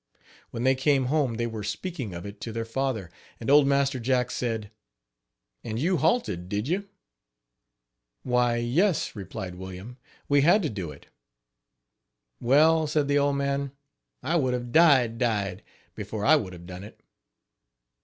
When they came home they were speaking of it to their father, and old Master Jack said: "And you halted, did you?" "Why, yes," replied William, "we had to do it." "Well," said the old man, "I would have died died before I would have done it.